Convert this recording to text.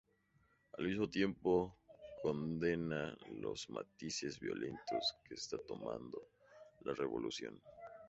Al mismo tiempo condena los matices violentos que está tomando la Revolución.